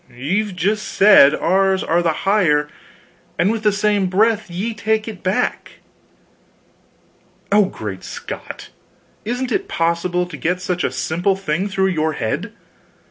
Ye've just said ours are the higher, and with the same breath ye take it back." "Oh, great Scott, isn't it possible to get such a simple thing through your head?